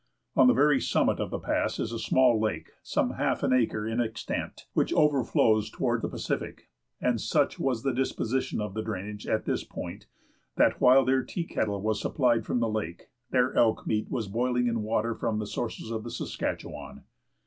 On the very summit of the pass is a small lake some half an acre in extent, which overflows toward the Pacific, and such was the disposition of the drainage at this point that while their tea kettle was supplied from the lake, their elk meat was boiling in water from the sources of the Saskatchewan.